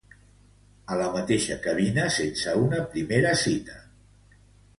A la mateixa cabina sense una primera cita.